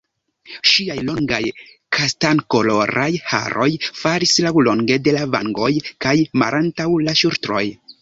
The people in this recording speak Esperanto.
Ŝiaj longaj kastankoloraj haroj falis laŭlonge de la vangoj kaj malantaŭ la ŝultroj.